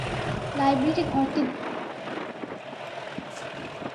লাইব্রেরি-ঘরটি দেখে তাঁর মন ভরে গেল।